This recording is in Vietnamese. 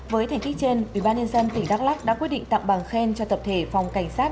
với thành tích trên ủy ban nhân dân tỉnh đắk lắk đã quyết định tặng bằng khen cho tập thể phòng cảnh sát